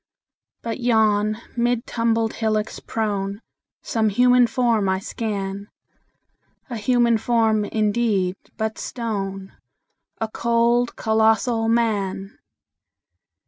But yon, mid tumbled hillocks prone, Some human form I scan A human form, indeed, but stone: A cold, colossal Man!